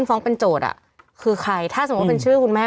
มมปันโจทย์อ่ะคือใครถ้าสมมติเป็นชื่อคุณแม่